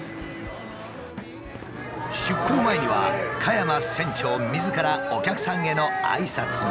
出航前には加山船長みずからお客さんへの挨拶も。